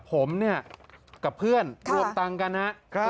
ผมเนี่ยกับเพื่อนรวมตังค์กันนะครับ